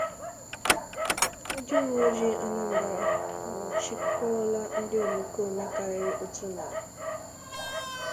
Ndị Uwe Ojii Anambra Anwụchikọọla Ndị Òmèkóòmè Karịrị Otu Narị